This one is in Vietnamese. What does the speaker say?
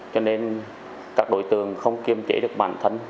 cho nên các đối tượng không kiêm trị được bản thân